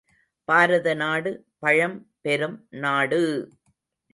பாரதநாடு பழம் பெரும் நாடு!